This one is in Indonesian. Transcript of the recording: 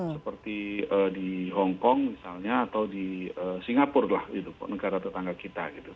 seperti di hongkong misalnya atau di singapura negara tetangga kita